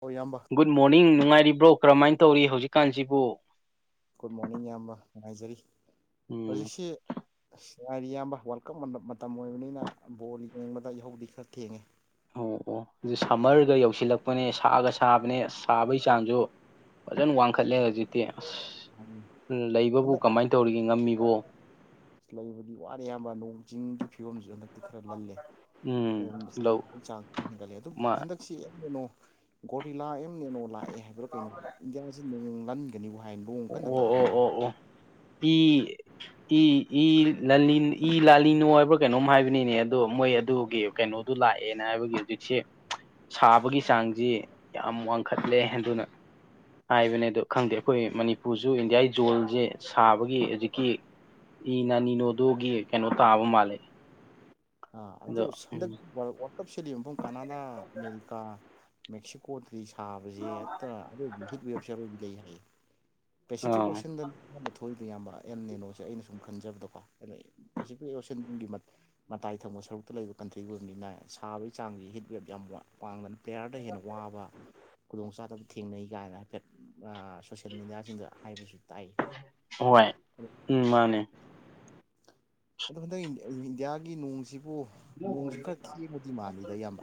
ꯍꯣꯏ ꯏꯌꯥꯝꯕ good morning ꯅꯨꯡꯉꯥꯏꯔꯤꯕ꯭ꯔꯣ ꯀꯔꯝꯃꯥꯏꯅ ꯇꯧꯔꯤ ꯍꯧꯖꯤꯛꯀꯥꯟꯁꯤꯕꯨ ꯒꯨꯗ ꯃꯣꯔꯅꯤꯡ ꯏꯌꯥꯝꯕ ꯅꯨꯡꯉꯥꯏꯖꯔꯤ ꯎꯝ ꯍꯧꯖꯤꯛꯁꯦ ꯑꯁ ꯅꯨꯡꯉꯥꯏꯔꯤ ꯏꯌꯥꯝꯕ ꯋꯥꯔꯜ ꯀꯞ ꯃ ꯃꯇꯝ ꯑꯣꯏꯕꯅꯤꯅ ꯕꯣꯜ ꯌꯦꯡꯕꯗ ꯏꯍꯧꯗꯤ ꯈꯔ ꯊꯦꯡꯉꯦ ꯑꯣ ꯑꯣ ꯑꯗꯨꯗꯤ ꯁꯝꯃꯔꯒ ꯌꯧꯁꯤꯜꯂꯛꯄꯅꯦ ꯁꯥꯒ ꯁꯥꯕꯅꯦ ꯁꯥꯕꯒꯤ ꯆꯥꯡꯖꯨ ꯐꯖꯅ ꯋꯥꯡꯈꯠꯂꯦ ꯍꯧꯖꯤꯛꯇꯤ ꯑꯁ ꯎꯝ ꯂꯩꯕꯕꯨ ꯍꯟꯗꯛ ꯀꯃꯥꯏꯅ ꯇꯧꯔꯤꯒꯦ ꯉꯝꯃꯤꯕꯣ ꯂꯩꯕꯗꯤ ꯋꯥꯔꯦ ꯏꯌꯥꯝꯕ ꯅꯣꯡ ꯆꯤꯡꯒꯤ ꯐꯤꯕꯝꯁꯨ ꯍꯟꯗꯛꯇꯤ ꯈꯔ ꯂꯜꯂꯦ ꯎꯝ ꯂꯧ [unintelligible] ꯍꯦꯟꯒꯠꯂꯦ ꯑꯗꯨꯝ ꯃꯥ ꯍꯟꯗꯛ ꯁꯤ ꯑꯦꯝ ꯅꯦꯅꯣ ꯒꯣꯔꯤꯂꯥ ꯑꯦꯝꯅꯦꯅꯣ ꯂꯥꯛꯑꯦ ꯍꯥꯏꯕꯔ ꯀꯩꯅꯣ ꯏꯟꯗꯤꯌꯥꯁꯤ ꯅꯣꯡ ꯂꯟ ꯅꯦꯕꯨ ꯍꯥꯏ ꯅꯣꯡ ꯀꯟꯅ ꯇꯥꯕꯩ ꯋꯥꯅꯦ ꯄꯤ ꯇꯤ ꯏ ꯂꯜꯂꯤ ꯏ ꯂꯥꯂꯤꯅꯣ ꯍꯥꯏꯕ꯭ꯔꯥ ꯀꯩꯅꯣꯝ ꯍꯥꯏꯕꯅꯤꯅꯦ ꯑꯗꯣ ꯃꯣꯏ ꯑꯗꯨꯒꯤ ꯀꯩꯅꯣꯗꯨ ꯂꯥꯛꯑꯦꯅ ꯍꯥꯏꯕꯒꯤ ꯍꯧꯖꯤꯛꯁꯦ ꯁꯥꯕꯒꯤ ꯆꯥꯡꯖꯦ ꯌꯥꯝ ꯋꯥꯡꯈꯠꯂꯦ ꯑꯗꯨꯅ ꯍꯥꯏꯕꯅꯦ ꯑꯗꯣ ꯈꯪꯗꯦ ꯑꯩꯈꯣꯏ ꯃꯅꯤꯄꯨꯔꯁꯨ ꯏꯟꯗꯤꯌꯥꯒꯤ ꯖꯣꯟꯖꯦ ꯁꯥꯕꯒꯤ ꯍꯧꯖꯤꯛꯀꯤ ꯇꯤ ꯅꯅꯤꯅꯣꯗꯨꯒꯤ ꯀꯩꯅꯣ ꯇꯥꯕ ꯃꯥꯜꯂꯦ ꯑ ꯑꯗꯨ ꯑꯗꯣ ꯎꯝ ꯍꯟꯗꯛ ꯋꯥꯜ ꯋꯥꯜ ꯀꯞ ꯁꯤꯗꯤ ꯏꯕꯨꯡ ꯀꯅꯥꯗ ꯃꯤꯜꯀꯥ ꯃꯦꯛꯁꯤꯀꯣꯗ꯭ꯔꯤ ꯁꯥꯕꯖꯦ ꯍꯦꯛꯇ ꯑꯗꯨꯒꯤ ꯍꯤꯠ ꯔꯤꯑꯦꯛꯁꯟ ꯂꯩ ꯍꯥꯏꯌꯦ ꯄꯦꯁꯤꯐꯤꯛ ꯑꯥ ꯑꯣꯁꯤꯟꯗ ꯑꯌꯥꯝꯗ ꯊꯣꯛꯏꯗꯤ ꯌꯥꯝꯕ ꯑꯦꯜ ꯅꯦꯅꯣꯁꯦ ꯑꯩꯅ ꯁꯨꯝ ꯈꯟꯖꯕꯗꯀꯣ ꯑꯩꯅ ꯄꯦꯁꯤꯐꯤꯛ ꯑꯣꯁꯤꯟꯒꯤ ꯃ ꯃꯇꯥꯏ ꯊꯪꯕ ꯁꯔꯨꯛꯇ ꯂꯩꯕ ꯀꯟꯇ꯭ꯔꯤꯒ ꯑꯣꯏꯕꯅꯤꯅ ꯁꯥꯕꯒꯤ ꯆꯥꯡꯁꯤ ꯍꯤꯠ ꯋꯦꯞ ꯌꯥꯝ ꯋꯥꯡ ꯋꯥꯡꯕꯅ ꯄ꯭ꯂꯦꯌꯥꯔꯗꯩ ꯍꯦꯟꯅ ꯋꯥꯕ ꯈꯨꯗꯣꯡ ꯆꯗꯕ ꯊꯦꯡꯅꯩ ꯀꯥꯏꯅ ꯍꯥꯏꯐꯦꯠ ꯑ ꯁꯦꯃꯤꯅꯔ ꯁꯤꯡꯗ ꯍꯥꯏꯕꯖꯨ ꯇꯥꯏ ꯍꯣꯏ ꯑꯗꯨ ꯎꯝ ꯃꯥꯅꯦ ꯑꯗꯣ ꯍꯟꯗꯛ ꯏꯟꯗꯤꯌꯥꯒꯤ ꯅꯣꯡꯁꯤꯕꯨ ꯅꯣꯡꯁꯤ ꯈꯔ ꯈꯦꯡꯕꯗꯤ ꯃꯥꯜꯂꯤꯗ ꯏꯌꯥꯝꯕ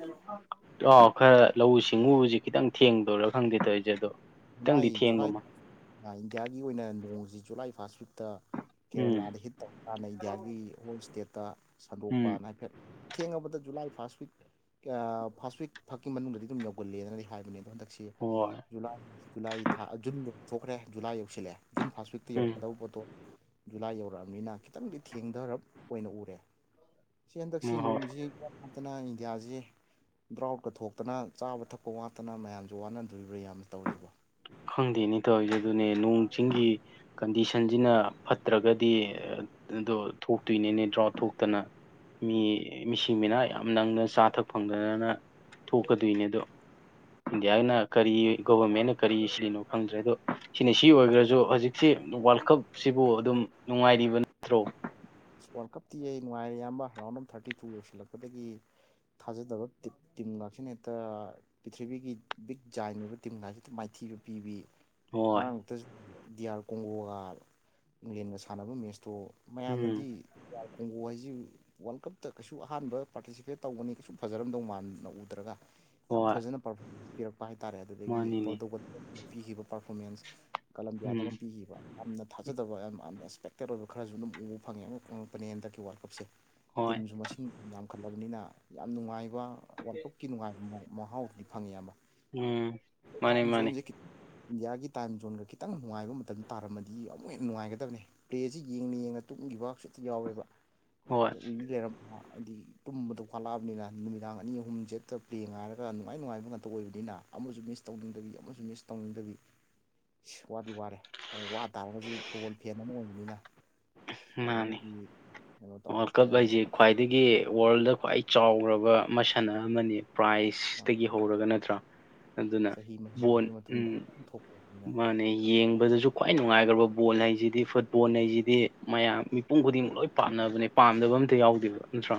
ꯑ ꯈꯔ ꯂꯧꯎ ꯁꯤꯡꯎꯕꯁꯤ ꯈꯤꯇꯪ ꯊꯦꯡꯗꯣꯏꯔꯥ ꯈꯪꯗꯦ ꯇꯧꯔꯤꯁꯦ ꯑꯗꯣ ꯂꯥꯏ ꯈꯤꯇꯪꯗꯤ ꯊꯦꯡꯕ ꯖꯨꯂꯥꯏ ꯑꯃ ꯏꯟꯗꯤꯌꯥꯒꯤ ꯑꯣꯏꯅ ꯅꯣꯡꯁꯤ ꯖꯨꯂꯥꯏ ꯐꯥꯔꯁ ꯋꯤꯛꯇ ꯎꯝ ꯀꯦꯔꯂꯥꯗ ꯍꯤꯠ ꯇꯧꯔꯀꯥꯟꯗ ꯏꯟꯗꯤꯌꯥꯒꯤ ꯍꯣꯜ ꯏꯁꯇꯦꯠꯇ ꯎꯝ ꯁꯟꯗꯣꯛꯄꯅ ꯊꯦꯡꯉꯕꯗ ꯖꯨꯂꯥꯏ ꯐꯥꯔꯁ ꯋꯤꯛ ꯑ ꯐꯥꯔꯁ ꯋꯤꯛ ꯐꯛꯀꯤ ꯃꯅꯨꯡꯗꯗꯤ ꯑꯗꯨꯝ ꯌꯧꯒꯜꯂꯦꯅꯗꯤ ꯍꯥꯏꯕꯅꯦ ꯑꯗꯣ ꯍꯟꯗꯛꯁꯦ ꯍꯣꯏ ꯖꯨꯂꯥꯏ ꯖꯨꯂꯥꯏ ꯊꯥ ꯖꯨꯟ ꯌꯧꯊꯣꯛꯈ꯭ꯔꯦ ꯖꯂꯥꯏ ꯌꯧꯁꯤꯜꯂꯑꯦ ꯖꯨꯟ ꯐꯥꯔꯁ ꯋꯤꯛꯇ ꯎꯝ ꯌꯧꯔꯛꯀꯗꯧꯕ ꯄꯣꯠꯇꯣ ꯖꯨꯂꯥꯏ ꯌꯧꯔꯛꯑꯕꯅꯤꯅ ꯈꯤꯇꯪꯗꯤ ꯊꯦꯡꯊꯔꯞ ꯑꯣꯏꯅ ꯎꯔꯦ ꯁꯤ ꯍꯣꯏ ꯍꯟꯗꯛꯁꯤ ꯍꯣꯏ ꯅꯣꯡꯖꯤ ꯅꯠꯇꯅ ꯏꯟꯗꯤꯌꯥꯖꯦ ꯗ꯭ꯔꯥꯎꯠꯀ ꯊꯣꯛꯇꯅ ꯆꯥꯕ ꯊꯛꯄ ꯋꯥꯠꯇꯅ ꯃꯌꯥꯝꯖꯨ ꯋꯥꯅꯗꯣꯔꯤꯕ꯭ꯔꯥ ꯌꯥꯝꯅ ꯇꯧꯔꯤꯖꯤꯕꯨ ꯈꯪꯗꯦꯅꯦ ꯇꯧꯔꯤꯖꯦ ꯑꯗꯨꯅꯦ ꯅꯣꯡ ꯆꯤꯡꯒꯤ ꯀꯟꯗꯤꯁꯟꯁꯤꯅ ꯐꯠꯇꯔꯒꯗꯤ ꯑꯗꯣ ꯊꯣꯛꯇꯣꯏꯅꯤꯅꯦ ꯗ꯭ꯔꯥꯎꯠ ꯊꯣꯛꯇꯅ ꯃꯤ ꯃꯤꯁꯤ ꯃꯤꯅ ꯌꯥꯝ ꯅꯪꯅ ꯆꯥ ꯊꯛ ꯐꯪꯗꯗꯅ ꯊꯣꯛꯀꯗꯣꯏꯅꯦ ꯑꯗꯣ ꯏꯟꯗꯤꯌꯥꯏꯅ ꯀꯔꯤ ꯒꯣꯕꯥꯃꯦꯟꯅ ꯀꯔꯤ ꯁꯤꯂꯤꯅꯣ ꯈꯪꯗ꯭ꯔꯦ ꯑꯗꯣ ꯁꯤꯅꯤ ꯁꯤ ꯑꯣꯏꯈ꯭ꯔꯁꯨ ꯍꯧꯖꯤꯛꯁꯤ ꯋꯥꯔꯜ ꯀꯞꯁꯤꯕꯨ ꯑꯗꯨꯝ ꯅꯨꯡꯉꯥꯏꯔꯤꯕꯅ ꯇ꯭ꯔꯣ ꯋꯥꯔꯜ ꯀꯞꯇꯤ ꯑꯩ ꯅꯨꯡꯉꯥꯏꯔꯦ ꯑꯌꯥꯝꯕ ꯔꯥꯎꯟ ꯑꯞ ꯊꯥꯔꯇꯤ ꯇꯨ ꯌꯧꯁꯤꯜꯂꯛꯄꯗꯒꯤ ꯊꯥꯖꯗꯕ ꯇꯤꯝ ꯉꯥꯛꯁꯤꯅ ꯍꯦꯛꯇ ꯄ꯭ꯔꯤꯊꯤꯕꯤꯒꯤ ꯕꯤꯛ ꯖꯥꯏꯟ ꯑꯣꯏꯕ ꯇꯤꯝ ꯂꯥꯏꯁꯤ ꯑꯗꯨꯝ ꯃꯥꯏꯊꯤꯕ ꯄꯤꯕꯤ ꯍꯣꯏ ꯉꯔꯥꯡꯛꯇ ꯗꯤ ꯑꯥꯔ ꯀꯣꯡꯒꯣꯒ ꯏꯪꯂꯦꯟꯒ ꯁꯥꯟꯅꯕ ꯃꯦꯠꯁꯇꯣ ꯎꯝ ꯃꯌꯥꯝꯅꯗꯤ ꯍꯦꯡꯒꯨ ꯍꯥꯏꯁꯤ ꯋꯥꯔꯜ ꯀꯞꯇ ꯀꯩꯁꯨ ꯑꯍꯥꯟꯕ ꯄꯥꯔꯇꯤꯁꯤꯄꯦꯠ ꯇꯧꯒꯅꯤ ꯀꯩꯁꯨ ꯐꯖꯔꯝꯗꯧ ꯃꯅ ꯎꯗ꯭ꯔꯒ ꯌꯥꯝ ꯍꯣꯏ ꯐꯖꯅ ꯄꯔꯐ ꯄꯤꯔꯛꯄ ꯍꯥꯏ ꯇꯥꯔꯦ ꯑꯗꯨꯗꯒꯤ ꯃꯥꯅꯤꯅꯦ ꯄꯧꯗ ꯄꯤꯈꯤꯕ ꯄꯥꯔꯐꯣꯃꯦꯟꯁ ꯎꯝ ꯀꯂꯝꯕꯤꯌꯥꯗꯒ ꯄꯤꯈꯤꯕ ꯌꯥꯝꯅ ꯊꯥꯖꯗꯕ ꯌꯥꯝ ꯑꯟꯑꯛꯁꯄꯦꯛꯇꯦꯠ ꯑꯣꯏꯕ ꯈꯔꯁꯨ ꯑꯗꯨꯝ ꯎꯕ ꯐꯪꯉꯦ ꯅꯦ ꯑꯟꯗꯛꯀꯤ ꯋꯥꯔꯜ ꯀꯞꯁꯦ ꯍꯣꯏ ꯇꯤꯝꯁꯨ ꯃꯁꯤ ꯏꯁꯤꯡ ꯌꯥꯝꯈꯠꯂꯕꯅꯤꯅ ꯌꯥꯝ ꯅꯨꯡꯉꯥꯏꯕ ꯋꯥꯔꯜ ꯀꯞꯀꯤ ꯅꯨꯡꯉꯥꯏꯕ ꯃꯍꯥꯎꯗꯨꯗꯤ ꯐꯪꯉꯤ ꯑꯃ ꯎꯝ ꯃꯥꯅꯦ ꯃꯥꯅꯦ ꯏꯟꯗꯤꯌꯥꯒꯤ ꯇꯥꯏꯝ ꯖꯣꯟꯒ ꯈꯤꯇꯪ ꯅꯨꯡꯉꯥꯏꯕ ꯃꯇꯝꯗ ꯇꯥꯔꯝꯃꯗꯤ ꯑꯃꯨꯛ ꯍꯦꯟꯅ ꯅꯨꯡꯉꯥꯏꯒꯗꯕꯅꯦ ꯄ꯭ꯂꯦꯁꯤ ꯌꯦꯡꯅ ꯌꯦꯡꯅ ꯇꯨꯝꯈꯤꯕꯁꯨꯇ ꯌꯥꯎꯋꯦꯕ ꯍꯣꯏ ꯑꯗꯨꯗ ꯎꯏ ꯂꯩꯔꯝꯕ ꯍꯥꯏꯗꯤ ꯇꯨꯝꯕꯗꯣ ꯋꯥꯠꯂꯛꯑꯕꯅꯤꯅ ꯅꯨꯃꯤꯗꯥꯡ ꯑꯅꯤ ꯑꯍꯨꯝꯁ ꯍꯦꯛꯇ ꯄ꯭ꯂꯦꯡ ꯍꯥꯏꯔꯒ ꯅꯨꯡꯉꯥꯏ ꯅꯨꯡꯉꯥꯏꯕ ꯉꯥꯛꯇ ꯑꯣꯏꯕꯅꯤꯅ ꯑꯃꯁꯨ ꯃꯤꯁ ꯇꯧꯅꯤꯡꯗꯕꯤ ꯑꯃꯁꯨ ꯃꯤꯁ ꯇꯧꯅꯤꯡꯗꯕꯤ ꯏꯁ ꯋꯥꯗꯤ ꯋꯥꯔꯦ ꯋꯥ ꯇꯥꯔꯒꯁꯨ ꯐꯨꯠꯕꯣꯜ ꯐꯦꯟ ꯑꯃ ꯑꯣꯏꯕꯅꯤꯅ ꯃꯥꯅꯦ ꯒꯤ ꯀꯩꯅꯣ ꯇꯧꯔꯦ ꯑꯗꯒꯤ ꯋꯥꯔꯜꯗ ꯈ꯭ꯋꯥꯏ ꯆꯥꯎꯔꯕ ꯃꯁꯟ ꯑꯃꯅꯤ ꯄ꯭ꯔꯥꯏꯖ ꯏꯁꯇꯒꯤ ꯍꯧꯔꯒ ꯅꯠꯇ꯭ꯔꯥ ꯑꯗꯨꯅ ꯆꯍꯤ ꯕꯣꯟ ꯃꯔꯤꯒꯤ ꯃꯇꯨꯡꯗ ꯎꯝ ꯊꯣꯛꯄꯅꯤꯅ ꯃꯥꯅꯦ ꯌꯦꯡꯕꯗꯁꯨ ꯈ꯭ꯋꯥꯏ ꯅꯨꯡꯉꯥꯏꯈ꯭ꯔꯕ ꯕꯣꯜ ꯍꯥꯏꯁꯤꯗꯤ ꯐꯨꯠꯕꯣꯜ ꯍꯥꯏꯁꯤꯗꯤ ꯃꯌꯥꯝ ꯃꯤꯄꯨꯝ ꯈꯨꯗꯤꯡꯃꯛ ꯂꯣꯏ ꯄꯥꯝꯅꯕꯅꯦ ꯄꯥꯝꯗꯕ ꯑꯝꯇ ꯌꯥꯎꯗꯦꯕ ꯅꯠꯇ꯭ꯔꯥ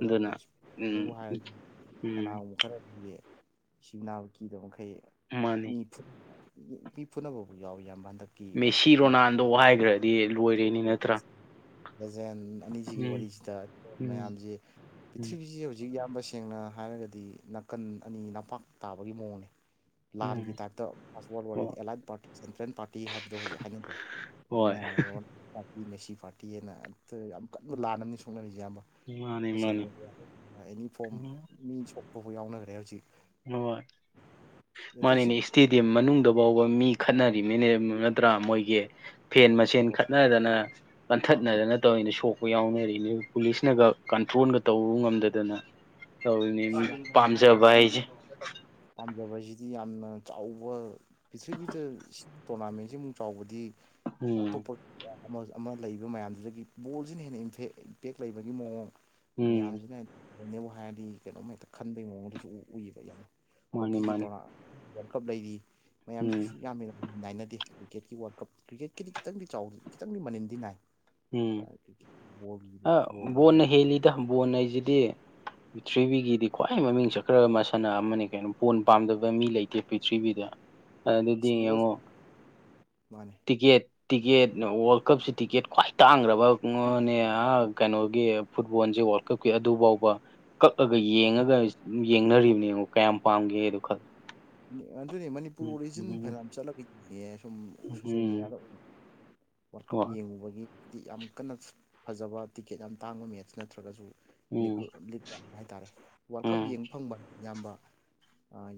ꯑꯗꯨꯅ ꯎꯝ ꯌꯥꯎꯗꯦꯕꯨ ꯍꯥꯏꯔꯗꯤ ꯎꯝ ꯀꯅꯥꯒꯨꯝꯕ ꯈꯔꯗꯤ ꯁꯤꯡ ꯅꯥꯕ ꯀꯤꯗꯕ ꯃꯈꯩ ꯃꯥꯅꯤ ꯃꯤ ꯃꯤ ꯄꯨꯨꯅꯕꯕꯨꯥꯎ ꯌꯥꯎꯋꯤ ꯌꯥꯝꯕ ꯍꯟꯗꯛ ꯃꯦꯁꯤ ꯔꯣꯅꯥꯜꯗꯣ ꯋꯥ ꯍꯥꯏꯈ꯭ꯔꯗꯤ ꯂꯣꯏꯔꯦꯅꯤ ꯅꯠꯇ꯭ꯔꯥ ꯂꯖꯦꯟ ꯑꯅꯤꯁꯤꯒꯤ ꯎꯝ ꯋꯥꯔꯤꯁꯤꯗ ꯎꯝ ꯎꯝ ꯃꯌꯥꯝꯁꯤꯁꯤ ꯍꯧꯖꯤꯛ ꯌꯥꯝ ꯇꯁꯦꯡꯅ ꯍꯥꯏꯔꯒꯗꯤ ꯅꯥꯀꯟ ꯑꯅꯤ ꯅꯝꯄꯥꯛ ꯇꯥꯕꯒꯤ ꯃꯑꯣꯡꯅꯤ ꯂꯥꯟꯒꯤ ꯎꯝ ꯇꯥꯏꯞꯇ ꯍꯣꯏ ꯑꯦꯂꯥꯏꯠ ꯄꯥꯔꯇ ꯑꯦꯟꯐ꯭ꯔꯦꯟ ꯄꯥꯔꯇꯤ ꯍꯥꯏꯕꯗꯣ ꯍꯧꯖꯤꯛ ꯍꯥꯏꯅꯗ꯭ꯔꯦ ꯍꯣꯏ ꯄꯥꯔꯇꯤ ꯁꯤ ꯄꯥꯔꯇꯤꯅ ꯑꯝꯇ ꯌꯥꯝ ꯀꯟꯅ ꯂꯥꯟꯅꯅꯤ ꯁꯣꯛꯅꯔꯤꯁꯦ ꯑꯌꯥꯝꯕ ꯃꯥꯅꯤ ꯁꯣꯁꯦꯜ ꯃꯥꯅꯤ ꯃꯦꯗꯤꯌꯥ ꯑꯦꯅꯤ ꯐꯣꯝ ꯃꯤ ꯁꯣꯛꯄꯕꯨꯥꯎ ꯌꯥꯎꯅꯈ꯭ꯔꯦ ꯍꯧꯖꯤꯛ ꯍ ꯑꯗ ꯃꯥꯅꯤꯅꯦ ꯁꯤ ꯏꯁꯇꯤ ꯃꯅꯨꯡꯗ ꯐꯥꯎꯕ ꯃꯤ ꯈꯠꯅꯔꯤꯅꯤꯅꯦ ꯅꯠꯇ꯭ꯔꯥ ꯃꯣꯏꯒꯤ ꯐꯦꯟ ꯃꯆꯦꯟ ꯁꯞꯄꯣꯔꯠ ꯈꯠꯅꯗꯅ ꯀꯟꯊꯠꯅꯗꯅ ꯇꯧꯔꯤꯅ ꯁꯣꯛꯄ ꯌꯥꯎꯅꯔꯤꯅꯤ ꯄꯨꯂꯤꯁꯅꯒ ꯀꯟꯇ꯭ꯔꯣꯜꯒ ꯇꯧꯕ ꯉꯝꯗꯗꯅ ꯇꯧ ꯄꯥꯝꯖꯕꯥꯏꯖ ꯄꯥꯖꯕꯕꯁꯤ ꯍꯥꯏꯗꯤ ꯌꯥꯝꯅ ꯆꯥꯎꯕ ꯄꯤꯔꯤꯊꯤꯕꯤꯤꯗ ꯇꯣꯔꯅꯥꯃꯦꯟꯁꯤ ꯑꯃꯨꯛ ꯆꯥꯎꯕꯗꯤ ꯎꯝ ꯑꯇꯣꯞꯄ ꯑꯃ ꯂꯩꯕ ꯃꯌꯥꯝꯗꯨꯗꯒꯤ ꯕꯣꯜꯁꯤꯅ ꯍꯦꯟꯅꯐꯦꯛ ꯏꯝꯄꯦꯛ ꯂꯩꯕꯒꯤ ꯃꯑꯣꯡ ꯎꯝ ꯃꯌꯥꯝꯁꯤꯅꯅꯦꯕꯨ ꯍꯥꯏꯔꯗꯤ ꯀꯩꯅꯣꯝ ꯍꯦꯛꯇ ꯈꯟꯕꯩ ꯃꯑꯣꯡꯗꯁꯨ ꯎꯏꯌꯦꯕ ꯌꯥꯝꯅ ꯃꯥꯅꯤ ꯍꯣꯛꯀꯤꯒꯤ ꯃꯥꯅꯤ ꯇꯣꯔꯅꯥ ꯋꯥꯔꯜ ꯀꯞ ꯂꯩꯔꯤ ꯃꯌꯥꯝꯁꯦ ꯎꯝ ꯀꯩꯁꯨ ꯌꯥꯝꯃꯤ ꯅꯥꯏꯅꯗꯦ ꯀ꯭ꯔꯤꯀꯦꯠꯀꯤ ꯋꯥꯔꯜ ꯀ꯭ꯔꯤꯀꯦꯠꯀꯤꯗꯤ ꯈꯤꯪꯗꯤ ꯆꯥꯎꯗꯤ ꯈꯤꯇꯗꯤ ꯃꯅꯤꯟꯗꯤ ꯅꯥꯏ ꯎꯝ ꯍꯥꯏꯔ ꯝꯕꯣꯟ ꯍꯥꯏꯁꯤꯗꯤ ꯄ꯭ꯔꯤꯊ꯭ꯤꯕꯤꯒꯤꯗꯤ ꯈ꯭ꯋꯥꯏ ꯃꯃꯤꯡ ꯆꯠꯈ꯭ꯔꯕ ꯃꯁꯥꯟꯅ ꯑꯃꯅꯤꯅꯦ ꯀꯩꯅꯣ ꯄꯣꯟ ꯄꯥꯝꯗꯕ ꯃꯤ ꯂꯩꯇꯦ ꯄ꯭ꯔꯤꯊꯤꯕꯤꯗ ꯑꯗꯨꯗꯤ ꯑꯁ ꯕꯣꯜ ꯌꯦꯡꯉꯣ ꯃꯥꯅꯦ ꯇꯤꯀꯦꯠ ꯇꯤꯀꯦꯠ ꯔꯜꯗ ꯀꯞꯁꯤ ꯇꯤꯀꯦꯠ ꯈ꯭ꯋꯥꯏ ꯇꯥꯡꯈ꯭ꯔꯕꯅꯦ ꯀꯩꯅꯣꯒꯤ ꯐꯨꯠꯕꯣꯜꯁꯦ ꯋꯥꯔꯜ ꯀꯞꯀꯤ ꯑꯗꯨ ꯐꯥꯎꯕ ꯀꯛꯑꯒ ꯌꯦꯡꯉꯒ ꯌꯦꯡꯅꯔꯤꯕꯅꯤ ꯌꯦꯡꯉꯣ ꯀꯌꯥꯝ ꯄꯥꯝꯒꯦꯗ ꯈꯜꯂꯣ ꯑꯗꯨꯅꯦ ꯃꯅꯤꯄꯨꯔ ꯎꯝ ꯑꯣꯔꯤꯖꯟ ꯎꯝ ꯐꯅꯝ ꯆꯠꯂꯒꯗꯤꯅꯦ ꯁꯨꯝ ꯁꯣꯁꯌꯦꯜ ꯎꯝ ꯃꯦꯗꯤꯌꯥꯗ ꯋꯥꯔꯀꯞ ꯍꯣꯏ ꯌꯦꯡꯉꯨꯕꯒꯤꯗꯤ ꯌꯥꯝ ꯀꯟꯅ ꯐꯖꯕ ꯇꯤꯛꯀꯦꯠ ꯌꯥꯝ ꯇꯥꯡꯕ ꯃꯦꯠꯁ ꯅꯠꯇ꯭ꯔꯒꯁꯨ ꯎꯝ ꯍꯥꯏꯇꯥꯔꯦ ꯋꯥꯔꯜ ꯀꯞ ꯎꯝ ꯌꯦꯡꯕ ꯐꯪꯕ ꯏꯌꯥꯝꯕ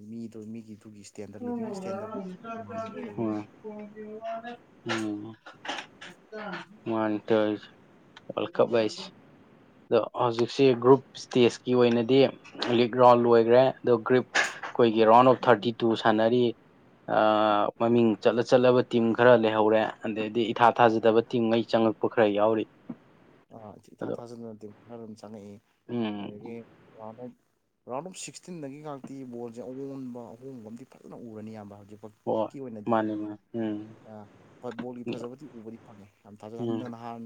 ꯃꯤꯗꯨ ꯃꯤꯒꯤꯗꯨꯒꯤ ꯏꯁꯇꯦꯟꯗꯔꯠ ꯍ ꯂꯤꯕꯤꯡ ꯆ ꯏꯁꯇꯦꯟꯗꯔꯠ ꯋꯥꯇ ꯋꯥꯔ ꯀꯞ ꯁ ꯑꯗꯣ ꯍꯧꯖꯤꯛꯁꯤ ꯒ꯭ꯔꯨꯞ ꯁ꯭ꯇꯦꯖꯀꯤ ꯑꯣꯏꯅꯗꯤ ꯂꯤꯛ ꯔꯥꯎꯟ ꯂꯣꯏꯈ꯭ꯔꯦ ꯑꯗꯣ ꯒ꯭ꯔꯤꯞ ꯑꯩꯈꯣꯏꯒꯤ ꯔꯥꯎꯟ ꯑꯣꯐ ꯊꯥꯔꯇꯤ ꯇꯨ ꯁꯥꯟꯅꯔꯤꯌꯦ ꯃꯃꯤꯡ ꯆꯠꯂ ꯆꯠꯂꯕ ꯇꯤꯝ ꯈꯔ ꯂꯩꯍꯧꯔꯦ ꯑꯗꯩꯗꯤ ꯏꯊꯥ ꯊꯥꯖꯗꯕ ꯇꯤꯝꯉꯩ ꯆꯪꯉꯛꯄ ꯈꯔ ꯌꯥꯎꯔꯤ ꯏꯊꯥ ꯑꯗꯣ ꯊꯥꯖꯅꯗꯤꯝ ꯈꯔ ꯑꯗꯨꯝ ꯆꯪꯉꯛꯏ ꯑꯗꯒꯤ ꯎꯝ ꯔꯥꯎꯟ ꯑꯣꯐ ꯁꯤꯛꯁꯇꯤꯟꯗꯒꯤ ꯉꯥꯏꯥꯛꯇꯤ ꯕꯣꯜꯁꯦ ꯑꯑꯣꯟꯕ ꯑꯍꯣꯡꯕ ꯑꯃꯗꯤ ꯐꯖꯅ ꯎꯔꯅꯤ ꯌꯥꯝꯕ ꯍꯧꯖꯤꯛꯐꯥꯎ ꯍ ꯀꯤ ꯑꯣꯏꯅꯗꯤ ꯃꯥꯅꯦ ꯃꯥ ꯐꯨꯠꯕꯣꯜꯒꯤ ꯐꯖꯕꯗꯤ ꯎꯕꯗꯤ ꯐꯥꯝꯉ ꯌꯥꯝ ꯎꯝ ꯊꯥꯖꯩꯟꯗꯪ ꯅꯍꯥꯟ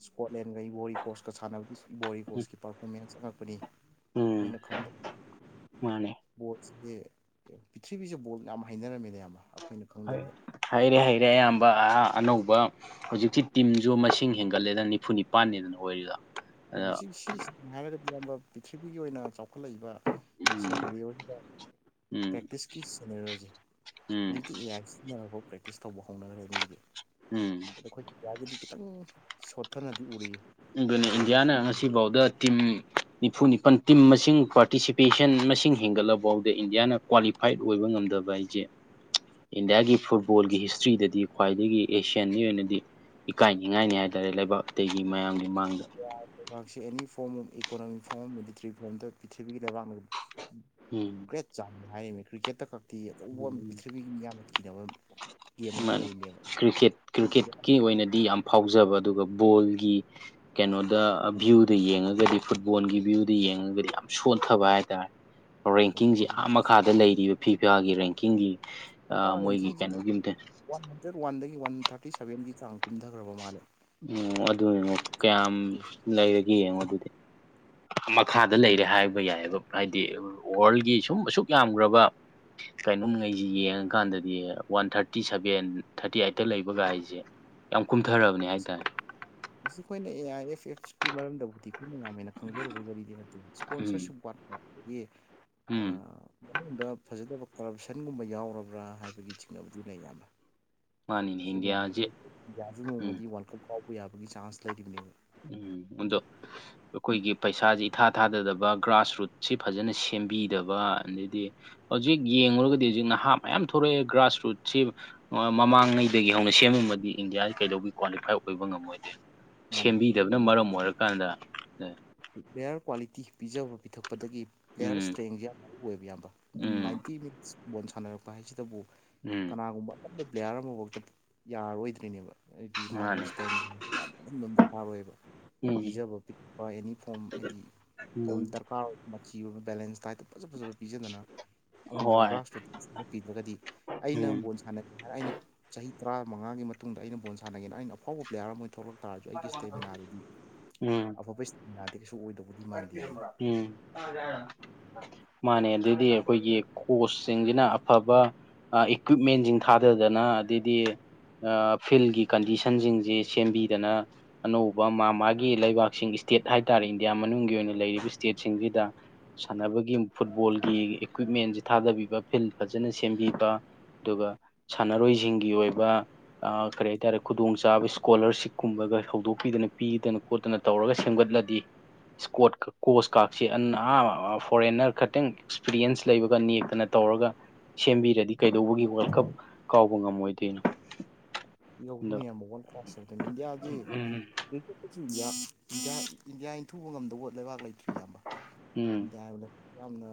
ꯏꯁꯀꯣꯠꯂꯦꯟꯒ ꯕꯣꯔꯤ ꯀꯣꯁꯀ ꯁꯥꯟꯅꯕꯒꯤ ꯕꯣꯔꯤ ꯀꯣꯁꯀꯤ ꯄꯥꯔꯐꯣꯃꯦꯟꯁ ꯑꯉꯛꯄꯅꯤ ꯎꯝ ꯑꯩꯈꯣꯏꯅ ꯈꯪꯗꯦ ꯃꯥꯅꯤ ꯕꯣꯠꯁꯦ ꯄ꯭ꯔꯤꯊ꯭ꯤꯕꯤꯁꯦ ꯕꯣꯠ ꯌꯥꯝ ꯍꯥꯏꯅꯔꯝꯃꯦꯅꯦ ꯌꯥꯝ ꯑꯃ ꯑꯩꯈꯣꯏꯅ ꯍ ꯈꯪꯗꯕꯤꯗ ꯍꯩꯔꯦ ꯍꯩꯔꯦ ꯑꯌꯥꯝꯕ ꯑꯅꯧꯕ ꯍꯧꯖꯤꯛꯇꯤ ꯇꯤꯝꯁꯨ ꯃꯁꯤꯡ ꯍꯦꯟꯒꯠꯂꯦꯗꯅ ꯅꯤꯐꯨ ꯅꯤꯄꯥꯟꯅꯦꯗꯅ ꯑꯣꯏꯔꯤꯗ ꯁꯤ ꯁꯤ ꯍꯥꯏꯔꯗꯗꯤꯕ ꯄ꯭ꯔꯤꯊꯤꯕꯤꯒꯤ ꯑꯣꯏꯅ ꯆꯥꯎꯈꯠꯂꯛꯏꯕ ꯎꯝ ꯎꯝ ꯄꯤꯁ ꯀ ꯁꯦꯅꯦꯔꯣꯁꯦ ꯎꯝ ꯍꯧꯖꯤꯛꯇꯤ ꯏ ꯁꯤꯖꯤꯟꯅꯔꯛꯐ ꯄ꯭ꯔꯦꯛꯇꯤꯁ ꯇꯧꯕ ꯍꯧꯅꯈ꯭ꯔꯦ ꯃꯤꯒꯤꯗꯤ ꯎꯝ ꯑꯗꯣ ꯑꯩꯈꯣꯏ ꯏꯟꯗꯤꯌꯥꯒꯤꯗꯤ ꯈꯤꯇꯪ ꯁꯣꯠꯊꯅꯗꯤ ꯎꯔꯤꯌꯦ ꯑꯗꯨ ꯏꯟꯗꯤꯌꯥꯅ ꯉꯁꯤ ꯁꯤꯐꯥꯎꯗ ꯇꯤꯝ ꯅꯤꯐꯨ ꯅꯤꯄꯜ ꯇꯤꯝ ꯃꯁꯤꯡ ꯄꯥꯔꯇꯤꯁꯤꯄꯦꯁꯟ ꯃꯁꯤꯡ ꯍꯦꯟꯒꯠꯂꯐꯥꯎꯗ ꯏꯟꯗꯤꯌꯥꯅ ꯀ꯭ꯋꯥꯂꯤꯐꯥꯏꯠ ꯑꯣꯏꯕ ꯉꯝꯗꯕ ꯑꯩꯁꯦ ꯏꯟꯗꯤꯌꯥꯒꯤ ꯐꯨꯠꯕꯣꯜꯒꯤ ꯍꯤꯁꯇ꯭ꯔꯤꯗꯗꯤ ꯈ꯭ꯋꯥꯏꯗꯒꯤ ꯑꯦꯁꯤꯌꯥꯟꯒꯤ ꯑꯣꯏꯅꯗꯤ ꯏꯀꯥꯏꯅꯤꯡꯉꯥꯏꯅꯤ ꯍꯥꯏꯇꯥꯔꯦ ꯂꯩꯕꯥꯛ ꯑꯇꯩꯒꯤ ꯃꯌꯥꯝꯒꯤ ꯃꯥꯡꯗ ꯂꯩꯕꯥꯛꯁꯤ any form of economic form military ꯐꯣꯔꯝꯗ ꯄ꯭ꯔꯤꯊꯤꯕꯤꯒꯤ ꯂꯩꯕꯥꯛ ꯎꯝ ꯆꯥꯡ ꯍꯥꯏꯔꯤꯅꯦ ꯀ꯭ꯔꯤꯀꯦꯠꯇ ꯈꯛꯇꯤ ꯑꯕ ꯄ꯭ꯔꯤꯊꯤꯕꯤꯒꯤ ꯃꯤ ꯌꯥꯝꯅ ꯀꯤꯅꯕ ꯒꯦꯝ ꯑꯃ ꯃꯥꯅꯤ ꯑꯣꯏꯔꯤꯅꯦꯕ ꯀ꯭ꯔꯤꯛꯀꯦꯠ ꯀ꯭ꯔꯤꯛꯀꯦꯠꯀꯤ ꯑꯣꯏꯅꯗꯤ ꯌꯥꯝ ꯐꯥꯎꯖꯕ ꯑꯗꯨꯒ ꯕꯣꯜꯒꯤ ꯀꯦꯩꯅꯣꯗ ꯚ꯭ꯌꯨꯗ ꯌꯦꯡꯉꯒꯗꯤ ꯐꯨꯠꯕꯣꯜꯒꯤ ꯚ꯭ꯌꯨꯗ ꯌꯦꯡꯉꯒꯗꯤ ꯌꯥꯝ ꯁꯣꯟꯊꯕ ꯍꯥꯏꯇꯥꯔꯦ ꯁꯣꯟꯊꯩ ꯔꯦꯡꯀꯤꯡꯁꯤ ꯑꯗꯨ ꯑꯥ ꯃꯈꯥꯗ ꯂꯩꯔꯤꯕ ꯐꯤ ꯐꯤꯥꯒꯤ ꯔꯦꯡꯀꯤꯡꯒꯤ ꯃꯣꯏꯒꯤ ꯃꯥꯅꯁꯤꯡꯁꯦ ꯀꯩꯅꯣꯒꯤ ꯑꯝꯇ ꯋꯥꯟ ꯍꯟꯗ꯭ꯔꯦꯠ ꯋꯥꯟꯗꯒꯤ ꯋꯥꯟ ꯊꯥꯔꯇꯤ ꯁꯚꯦꯟꯒꯤ ꯆꯥꯡ ꯇꯨꯝꯊꯈ꯭ꯔꯕ ꯃꯥꯜꯅꯦ ꯎꯝ ꯑꯗꯨꯅꯤꯅꯣ ꯀꯌꯥꯝ ꯂꯩꯔꯒꯦ ꯌꯦꯡꯉꯣ ꯑꯗꯨꯗꯤ ꯃꯈꯥꯗ ꯁꯨꯝ ꯂꯩꯔꯦ ꯍꯥꯏꯕ ꯌꯥꯏꯑꯕ ꯍꯥꯏꯗꯤ ꯋꯥꯔꯜꯒꯤ ꯁꯨꯝ ꯑꯁꯨꯛ ꯌꯥꯝꯈ꯭ꯔꯕ ꯀꯩꯅꯣꯝꯉꯩꯁꯤ ꯌꯦꯡꯉꯀꯥꯟꯗꯗꯤ ꯋꯥꯟ ꯊꯥꯔꯇꯤ ꯁꯚꯦꯟ ꯊꯥꯔꯇꯤ ꯑꯥꯏꯠꯇ ꯂꯩꯕꯒ ꯍꯥꯏꯁꯦ ꯌꯥꯝ ꯀꯨꯝꯊꯔꯕꯅꯦ ꯍꯥꯏꯇꯥꯔꯦ ꯃꯁꯤ ꯑꯩꯈꯣꯏꯅ ꯑꯦ ꯑꯥꯏ ꯑꯦꯐ ꯑꯦꯐꯁꯀꯤ ꯃꯔꯝꯗꯕꯨꯗꯤ ꯑꯩꯈꯣꯏꯅ ꯌꯥꯝ ꯍꯦꯟꯅ ꯈꯪꯖꯔꯨꯕꯒꯤ ꯋꯥꯔꯤꯗꯤ ꯍꯥꯏꯗꯤ ꯎꯝ ꯏꯁꯄꯣꯟꯁꯔꯁꯤꯞ ꯋꯥꯠ ꯌꯦ ꯎꯝ ꯃꯅꯨꯡꯗ ꯐꯖꯗꯕ ꯀꯔꯞꯁꯟꯒꯨꯝꯕ ꯌꯥꯎꯔꯕ꯭ꯔꯥ ꯍꯥꯏꯕꯒꯤ ꯆꯤꯡꯅꯕꯗꯨ ꯂꯩ ꯌꯥꯝꯕ ꯃꯥꯅꯤꯅꯦ ꯁꯤ ꯃꯌꯥꯝꯁ ꯏꯟꯗꯤꯌꯥꯁꯦ ꯏꯟꯗꯤꯌꯥꯁꯨ ꯎꯝ ꯅꯣꯡꯃꯗꯤ ꯋꯥꯔꯜ ꯀꯞ ꯐꯥꯎꯕ ꯌꯥꯕꯒꯤ ꯆꯥꯟꯁ ꯂꯩꯔꯤꯕꯅꯦꯕ ꯎꯝ ꯍꯖ ꯑꯩꯈꯣꯏꯒꯤ ꯄꯩꯁꯥꯁꯦ ꯏꯊꯥ ꯊꯥꯗꯗꯕ ꯒ꯭ꯔꯥꯁꯔꯨꯠꯁꯤ ꯐꯖꯅ ꯁꯦꯝꯕꯤꯗꯕ ꯑꯗꯩꯗꯤ ꯍꯧꯖꯤꯛ ꯌꯦꯡꯂꯨꯔꯒꯗꯤ ꯍꯧꯖꯤꯛ ꯅꯍꯥ ꯃꯌꯥꯝ ꯊꯣꯛꯂꯛꯑꯦ ꯒ꯭ꯔꯥꯁꯔꯨꯠꯁꯤ ꯃꯃꯥꯡꯉꯩꯗꯒꯤ ꯍꯧꯅ ꯁꯦꯝꯃꯤꯃꯗꯤ ꯏꯟꯗꯤꯌꯥ ꯀꯩꯗꯧꯕꯒꯤ ꯀ꯭ꯋꯥꯂꯤꯐꯥꯏ ꯑꯣꯏꯕ ꯉꯝꯃꯣꯏꯗꯣꯏ ꯃꯥꯅꯦ ꯁꯦꯝꯕꯤꯗꯕꯅ ꯃꯔꯝ ꯑꯣꯏꯔꯀꯥꯟꯗ ꯄꯦꯌꯔ ꯀ꯭ꯋꯥꯂꯤꯇꯤ ꯄꯤꯖꯕ ꯄꯤꯊꯛꯄꯗꯒꯤ ꯄ꯭ꯂꯦꯌꯔ ꯎꯝ ꯏꯁꯇ꯭ꯔꯦꯡꯁꯦ ꯑꯣꯏꯕ ꯌꯥꯝꯕ ꯎꯝ ꯅꯥꯏꯟꯇꯤ ꯃꯤ ꯕꯣꯜ ꯁꯥꯟꯅꯔꯛꯄ ꯍꯥꯏꯁꯤꯗꯕꯨ ꯎꯝ ꯀꯅꯥꯒꯨꯝꯕ ꯄ꯭ꯂꯦꯌꯥꯔ ꯑꯃꯕꯧꯇ ꯌꯥꯔꯔꯣꯏꯗ꯭ꯔꯤꯅꯦꯕ ꯍꯥꯏꯗꯤ ꯃꯥꯒꯤ ꯃꯥꯅꯦ ꯏꯁ꯭ꯇꯔꯃꯤꯅꯥ ꯑꯗꯨ ꯑꯗꯨꯝ ꯗꯔꯀꯥꯔ ꯑꯣꯏꯌꯦꯕ ꯎꯝ ꯄꯤꯖꯕ ꯄꯤꯛꯄ ꯑꯦꯅꯤ ꯐꯣꯝ ꯍꯥꯏꯗꯤ ꯌꯥꯝ ꯎꯝ ꯗꯔꯀꯥꯔ ꯊꯥꯎ ꯃꯆꯤꯒꯨꯝꯕ ꯕꯦꯂꯦꯟꯁ ꯗꯥꯏꯠꯇ ꯐꯖ ꯐꯖꯕ ꯄꯤꯖꯗꯅ ꯌꯥꯝ ꯍꯣꯏ ꯒ꯭ꯔꯥꯁꯔꯨꯠ ꯄꯤꯗ꯭ꯔꯒꯗꯤ ꯑꯩꯅ ꯎꯝ ꯕꯣꯜ ꯁꯥꯟꯅ ꯑꯩꯅ ꯆꯍꯤ ꯇꯔꯥꯃꯉꯥꯒꯤ ꯃꯇꯨꯡꯗ ꯑꯩꯅ ꯕꯣꯜ ꯁꯥꯟꯅꯒꯦꯅ ꯑꯩꯅ ꯑꯥꯎꯕ ꯄ꯭ꯂꯦꯌꯥꯔ ꯑꯃ ꯑꯣꯏꯅ ꯊꯣꯛꯂꯛ ꯇꯥꯔꯁꯨ ꯑꯩꯒꯤ ꯏꯁꯇꯦꯃꯤꯅꯥꯗꯨꯗꯤ ꯑꯐꯕ ꯏꯁꯇꯦꯃꯤꯅꯥꯗꯤ ꯀꯩꯁꯨ ꯑꯣꯏꯗꯕ ꯆꯥꯛ ꯊꯤꯔꯕ‌ꯣ ꯎꯝ ꯆꯔꯖ‌ꯦ ꯍꯥꯏꯔꯥ ꯃꯥꯅꯦ ꯑꯗꯩꯗꯤ ꯑꯩꯈꯣꯏꯒꯤ ꯀꯣꯆꯁꯤꯡꯖꯤꯅ ꯑꯐꯕ ꯑ ꯏꯀ꯭ꯋꯤꯞꯃꯦꯟꯖꯤꯡ ꯊꯥꯗꯗꯅ ꯑꯗꯩꯗꯤ ꯑ ꯐꯤꯜꯒꯤ ꯀꯟꯗꯤꯁꯟꯖꯤꯡꯖ‌ꯦ ꯁꯦꯝꯕꯤꯗꯅ ꯑꯅꯧꯕ ꯃꯥ ꯃꯥꯒꯤ ꯂꯩꯕꯥꯛꯁꯤꯡ ꯏꯁꯇꯦꯠ ꯍꯥꯏꯇꯥꯔꯦ ꯏꯟꯗꯤꯌꯥ ꯃꯅꯨꯡꯒꯤ ꯑꯣꯏꯅ ꯂꯩꯔꯤꯕ ꯏꯁꯇꯦꯠꯁꯤꯡꯖꯤꯗ ꯁꯥꯟꯅꯕꯒꯤ ꯐꯨꯠꯕꯣꯜꯒꯤ ꯏꯀ꯭ꯋꯤꯞꯃꯦꯟꯖ‌ꯦ ꯊꯥꯗꯕꯤꯕ ꯐꯤꯜ ꯐꯖꯅ ꯁꯦꯝꯕꯤꯕ ꯑꯗꯨꯒ ꯁꯥꯟꯅꯔꯣꯏꯖꯤꯡꯒꯤ ꯑꯣꯏꯕ ꯑ ꯀꯔꯤ ꯍꯥꯏꯇꯥꯔꯦ ꯈꯨꯗꯣꯡꯆꯥꯥꯕ ꯏꯁꯀꯣꯂꯔꯁꯤꯞꯀꯨꯝꯕꯒ ꯍꯧꯗꯣꯛꯄꯤꯗꯅ ꯄꯤꯗꯅ ꯈꯣꯠꯇꯅ ꯇꯧꯔꯒ ꯁꯦꯝꯒꯠꯂꯗꯤ ꯏꯁꯀꯣꯠ ꯀꯣꯁ ꯀꯥꯔꯁ ꯐꯣꯔꯦꯟꯅꯔ ꯈꯇꯪ ꯑꯦꯛꯁꯄꯤꯔꯤꯌꯦꯟꯁ ꯂꯩꯕꯒ ꯅꯦꯛꯇꯅ ꯇꯧꯔꯒ ꯁꯦꯝꯕꯤꯔꯗꯤ ꯀꯩꯗꯧꯕꯒꯤ ꯋꯥꯔꯜ ꯀꯞ ꯀꯥꯎꯕ ꯉꯝꯃꯣꯏꯗꯣꯏꯅꯣ ꯑꯗꯣ ꯌꯧꯗꯣꯏꯅꯦ ꯑꯃꯕꯛ ꯋꯥꯔꯜ ꯀ꯭ꯂ꯭ꯔꯣꯁ ꯌꯧꯗꯣꯏꯅꯤ ꯏꯟꯗꯤꯌꯥꯁꯤ ꯎꯝ ꯏꯟꯗꯤꯌꯥ ꯏꯟꯗꯤꯌꯥ ꯏꯟꯊꯨꯕ ꯉꯝꯗꯧꯕ ꯂꯩꯕꯥꯛ ꯂꯩꯇ꯭ꯔꯤ ꯏꯌꯥꯝꯕ ꯎꯝ ꯏꯟꯗꯤꯌꯥ ꯍꯥꯏꯕꯗ ꯌꯥꯝꯅ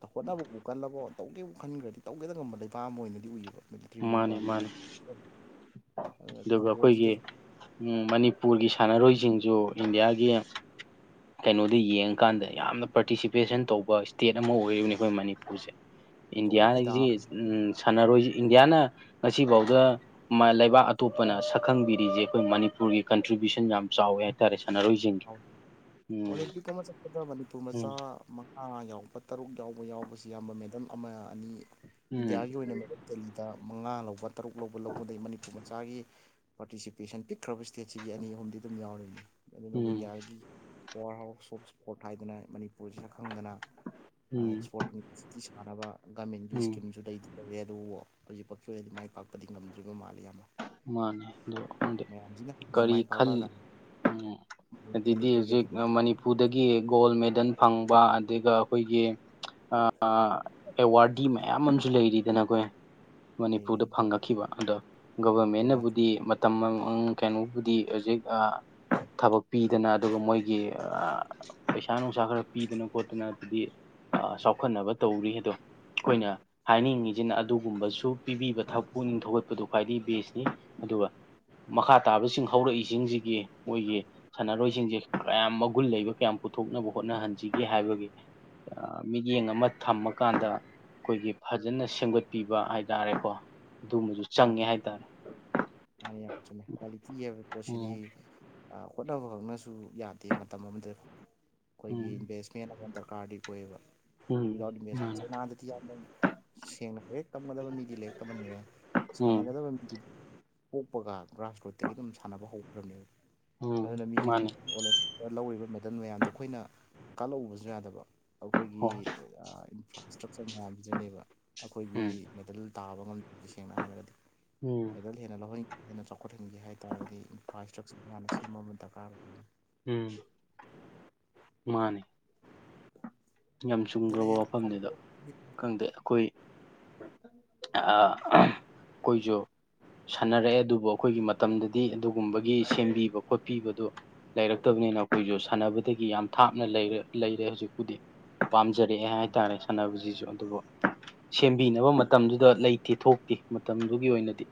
ꯍ‌ꯣꯠꯅꯕꯕꯨ ꯀꯟꯅꯂꯕ ꯇꯧꯒꯦꯕꯨ ꯈꯟꯈ꯭ꯔꯗꯤ ꯇꯧꯒꯦꯗ ꯉꯝꯕ ꯂꯩꯕꯥꯛ ꯑꯃ ꯑꯣꯏꯅꯗꯤ ꯎꯌ‌ꯦꯕ ꯃꯟꯇ꯭ꯔꯤ ꯑꯃ ꯃꯥꯅꯦ ꯑꯃ ꯃꯥꯅꯦ ꯑꯗꯨꯒ ꯑꯩꯈꯣꯏꯒꯤ ꯕꯣꯜꯁꯤꯗꯁꯨ ꯎꯝ ꯃꯅꯤꯄꯨꯔꯒꯤ ꯁꯥꯟꯅꯔꯣꯏꯖꯤꯡꯖꯨ ꯏꯟꯗꯤꯌꯥꯒꯤ ꯀꯩꯅꯣꯗ ꯌꯦꯡꯉꯀꯥꯟꯗ ꯌꯥꯝꯅ ꯄꯥꯔꯇꯤꯁꯤꯄꯦꯁꯟ ꯇꯧꯕ ꯏꯁꯇꯦꯠ ꯑꯃ ꯑꯣꯏꯔꯤꯕꯅꯤ ꯑꯩꯈꯣꯏ ꯃꯅꯤꯄꯨꯔꯁꯦ ꯑꯆꯧꯕ ꯐꯤꯗꯥ ꯏꯟꯗꯤꯌꯥꯁꯤ ꯑꯃ ꯎ ꯁꯥꯟꯅꯔꯣꯏꯁꯤ ꯏꯟꯗꯤꯌꯥꯅ ꯉꯁꯤꯕꯥꯎꯗ ꯃ ꯂꯩꯕꯥꯛ ꯑꯇꯣꯞꯄꯅ ꯁꯛꯈꯪꯕꯤꯔꯤꯁꯦ ꯑꯩꯈꯣꯏ ꯃꯅꯤꯄꯨꯔꯒꯤ ꯀꯟꯇ꯭ꯔꯤꯕ꯭ꯌꯨꯁꯟ ꯌꯥꯝ ꯆꯥꯎꯋꯦ ꯍꯥꯏꯇꯥꯔꯦ ꯁꯥꯟꯅꯔꯣꯏꯖꯤꯡꯒꯤ ꯎꯝ ꯑꯣꯂꯦꯝꯄꯤꯛ ꯑꯃ ꯆꯠꯄꯗ ꯃꯅꯤꯄꯨꯔ ꯎꯝ ꯃꯆꯥ ꯃꯉꯥ ꯌꯥꯎꯔꯕ ꯇꯔꯨꯛ ꯌꯥꯎꯕ ꯌꯥꯎꯕꯁꯤ ꯌꯥꯝꯕ ꯃꯦꯗꯜ ꯑꯃ ꯑꯅꯤ ꯎꯝ ꯏꯟꯗꯤꯌꯥꯒꯤ ꯑꯣꯏꯅ ꯃꯦꯗꯜ ꯗꯦꯜꯂꯤꯗ ꯃꯉꯥ ꯂꯧꯕ ꯇꯔꯨꯛ ꯂꯧꯕ ꯂꯧꯕꯗꯩ ꯃꯅꯤꯄꯨꯔ ꯃꯆꯥꯒꯤ ꯄꯥꯔꯇꯤꯁꯤꯄꯦꯁꯟ ꯄꯤꯛꯈ꯭ꯔꯕ ꯏꯁꯇꯦꯠꯁꯤꯒꯤ ꯑꯅꯤ ꯑꯍꯨꯝꯗꯤ ꯑꯗꯨꯝ ꯌꯥꯎꯔꯤꯅꯤ ꯑꯗꯨꯅ ꯎꯝ ꯄꯋꯥꯔ ꯍꯥꯎꯁ ꯁꯣꯞ ꯏꯁꯄꯣꯔꯠ ꯍꯥꯏꯗꯅ ꯃꯅꯤꯄꯨꯔꯁꯤ ꯁꯛꯈꯪꯗꯅ ꯎꯝ ꯏꯁꯣꯔ ꯇꯤ ꯁꯥꯟꯅꯕ ꯒꯃꯦꯟꯒꯤ ꯎꯝ ꯏꯁꯀꯤꯝꯁꯨ ꯑꯇꯩꯗꯤ ꯂꯧꯧꯔꯦ ꯑꯗꯨꯕꯨ ꯍꯧꯖꯤꯛꯄꯛꯀꯤ ꯑꯣꯏꯅꯗꯤ ꯃꯥꯏ ꯄꯥꯛꯄꯗꯤ ꯉꯝꯗ꯭ꯔꯤꯕ ꯃꯥꯜꯂꯦ ꯏꯌꯥꯝꯕ ꯃꯥꯅꯦ ꯑꯗ‌ꯣ ꯈꯪꯗ‌ꯦ ꯍꯌꯦꯡ ꯀꯔꯤ ꯃꯥꯏ ꯈꯜꯂꯤ ꯄꯥꯛꯂꯛꯑꯀꯥꯟꯗ ꯎꯝ ꯑꯗꯨꯗꯤ ꯃꯅꯤꯄꯨꯔꯒꯤ ꯍꯧꯖꯤꯛ ꯑꯐꯕ ꯃꯅꯤꯄꯨꯔꯗꯒꯤ ꯒꯣꯜ ꯃꯦꯗꯜ ꯐꯪꯕ ꯑꯗꯨꯒ ꯑꯩꯈꯣꯏꯒꯤ ꯑ ꯑꯦꯋꯥꯔꯗꯤ ꯃꯌꯥꯝ ꯑꯃꯖꯨ ꯂꯩꯔꯤꯗꯅ ꯑꯩꯈꯣꯏ ꯂꯩꯔꯦ ꯃꯅꯤꯄꯨꯔꯗ ꯗꯣꯅꯥꯜ ꯐꯪꯉꯛꯈꯤꯕ ꯑꯗꯣ ꯗꯣꯅꯥꯜ ꯒꯕꯔꯃꯦꯟꯅꯕꯨꯗꯤ ꯇꯝꯕ ꯀꯩꯅꯣꯕꯨꯗꯤ ꯍꯧꯖꯤꯛ ꯑ ꯊꯕꯛ ꯄꯤꯗꯅ ꯑꯗꯨꯒ ꯃꯣꯏꯒꯤ ꯑ ꯄꯩꯁꯥ ꯅꯨꯡꯁꯥ ꯈꯔ ꯄꯤꯗꯅ ꯈꯣꯠꯇꯅ ꯑꯗꯨꯗꯤ ꯑ ꯆꯥꯎꯈꯠꯅꯕ ꯇꯧꯔꯤ ꯑꯗꯣ ꯑꯩꯈꯣꯏꯅ ꯍꯥꯏꯅꯤꯡꯉꯤꯁꯤꯅ ꯑꯗꯨꯒꯨꯝꯕꯁꯨ ꯄꯤꯕꯤꯕ ꯊꯛ ꯄꯨꯨꯛꯅꯤꯡ ꯊꯧꯒꯠꯄꯗꯣ ꯈ꯭ꯋꯥꯏꯗꯒꯤ ꯕꯦꯁꯅꯤ ꯑꯗꯨꯒ ꯃꯈꯥ ꯇꯥꯕꯁꯤꯡ ꯍꯧꯔꯛꯏꯖꯤꯡꯖꯤꯒꯤ ꯃꯣꯏꯒꯤ ꯁꯥꯟꯅꯔꯣꯏꯖꯤꯡꯖ‌ꯦ ꯀꯌꯥꯝ ꯃꯒꯨꯟ ꯂꯩꯕ ꯀꯌꯥꯝ ꯄꯨꯊꯣꯛꯅꯕ ꯍꯣꯠꯅꯍꯟꯁꯤꯒꯦ ꯍꯥꯏꯕꯒꯤ ꯃꯤꯠꯌꯦꯡ ꯑꯃ ꯊꯝꯃꯀꯥꯟꯗ ꯈꯣꯏꯒꯤ ꯐꯖꯅ ꯁꯦꯝꯒꯠꯄꯤꯕ ꯍꯥꯏ ꯇꯥꯔꯦꯀꯣ ꯑꯗꯨꯝꯕꯨ ꯑ ꯆꯪꯉꯦ ꯍꯥꯏꯇꯥꯔꯦ ꯃꯥꯅꯤ ꯌꯥꯝ ꯆꯨꯝꯃ‌ꯦ ꯀꯨꯋꯥꯂꯤꯇꯤ ꯍꯥꯏꯕ ꯄꯣꯠꯁꯤꯗꯤ ꯎꯝ ꯑ ꯍꯣꯠꯅꯕ ꯈꯛꯅꯁꯨ ꯌꯥꯗꯦ ꯃꯇꯝ ꯑꯃꯗ ꯈꯣꯏꯒꯤ ꯎꯝ ꯏꯚꯁ ꯗꯔ ꯀꯥꯔꯗꯤ ꯑꯣꯏꯌ‌ꯦꯕ ꯎꯝ ꯋꯤꯗꯥꯎꯠ ꯃꯥꯅꯦ ꯁꯦꯡꯅ ꯂꯥꯏꯔꯤꯛ ꯇꯝꯇꯟꯒꯗꯕ ꯃꯤꯗꯤ ꯂꯥꯏꯔꯤꯛ ꯇꯝꯍꯟꯈ꯭ꯔꯦ ꯎꯝ ꯁꯥꯟꯅꯒꯗꯕ ꯃꯤꯗꯤ ꯊꯣꯛꯄꯒ ꯒ꯭ꯔꯥꯁ ꯔꯨꯠꯇꯒꯤ ꯑꯗꯨꯝ ꯁꯥꯟꯅꯕ ꯍꯧꯈ꯭ꯔꯕꯅꯦꯕ ꯎꯝ ꯑꯗꯨꯅ ꯃꯤꯒꯤꯝ ꯃꯥꯅꯦ ꯑꯣꯂꯦ ꯂꯧꯔꯤꯕ ꯃꯦꯗꯜ ꯃꯌꯥꯝꯗꯣ ꯑꯩꯈꯣꯏꯅ ꯀꯥꯜꯂꯛꯎꯕꯁꯨ ꯌꯥꯗꯕ ꯑꯩꯈꯣꯏꯒꯤ ꯍꯣꯏ ꯏꯟꯐ꯭ꯔꯥꯁ ꯏꯁꯇ꯭ꯔꯛꯆꯔ ꯃꯌꯥꯝ ꯄꯤꯖꯅꯦꯕ ꯑꯩꯈꯣꯏꯒꯤ ꯎꯝ ꯃꯦꯗꯜ ꯇꯥꯕ ꯉꯝꯗ ꯁꯦꯡꯅ ꯍꯥꯏꯔꯒꯗꯤ ꯎꯝ ꯔꯦꯖꯜ ꯍꯦꯟꯅ ꯂꯧꯟ ꯍꯦꯟꯅ ꯆꯥꯎꯈꯠꯍꯟꯒꯦ ꯍꯥꯏ ꯇꯥꯔꯒꯗꯤ ꯏꯟꯐ꯭ꯔꯥ ꯏꯁꯇ꯭ꯔꯛꯆꯔ ꯃꯌꯥꯝꯅ ꯁꯤꯨꯝ ꯑꯃ ꯗꯔꯀꯥꯔ ꯑꯣꯏ ꯎꯝ ꯃꯥꯅꯦ ꯌꯥꯝ ꯍꯦꯟꯅ ꯆꯨꯝꯈ꯭ꯔꯕ ꯍꯦꯟꯅ ꯋꯥꯐꯝꯅꯤꯗ ꯆꯥꯎꯈꯠꯄꯒꯤ ꯈꯪꯗꯦ ꯑꯩꯈꯣꯏ ꯑ ꯀꯣꯏꯁꯨ ꯁꯥꯟꯅꯔꯛꯑꯦ ꯑꯗꯨꯕꯨ ꯑꯩꯈꯣꯏꯒꯤ ꯃꯇꯝꯗꯗꯤ ꯑꯗꯨꯒꯨꯝꯕꯒꯤ ꯁꯦꯝꯕꯤꯕ ꯈꯣꯠꯄꯤꯕꯗꯨ ꯂꯩꯔꯛꯇꯕꯅꯤꯅ ꯑꯩꯈꯣꯏꯁꯨ ꯁꯥꯟꯅꯕꯗꯒꯤ ꯌꯥꯝ ꯊꯥꯞꯅ ꯂꯩꯔ ꯂꯩꯔꯦ ꯍꯧꯖꯤꯛꯄꯨꯗꯤ ꯄꯥꯝꯖꯔꯛꯑꯦ ꯍꯥꯏꯇꯥꯔꯦ ꯁꯥꯟꯅꯕꯁꯤꯁꯨ ꯑꯗꯨꯕꯨ ꯁꯦꯝꯕꯤꯅꯕ ꯃꯇꯝꯗꯨꯗ ꯂꯩꯇꯦ ꯊꯣꯛꯇꯦ ꯃꯇꯝꯗꯨꯒꯤ ꯑꯣꯏꯅꯗꯤ